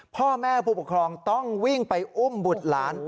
พ่อแม่ผู้ปกครองต้องวิ่งไปอุ้มบุตรหลาน